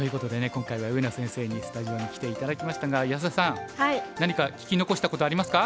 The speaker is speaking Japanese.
今回は上野先生にスタジオに来て頂きましたが安田さん何か聞き残したことはありますか？